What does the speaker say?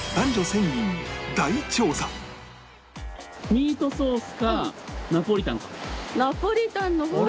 ミートソースかナポリタンか。